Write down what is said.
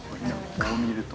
こう見ると。